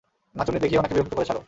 নাচুনি দেখিয়ে ওনাকে বিরক্ত করে ছাড়ো!